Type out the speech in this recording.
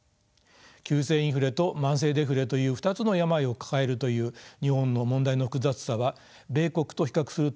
急性インフレと慢性デフレという２つの病を抱えるという日本の問題の複雑さは米国と比較するとはっきり見えてきます。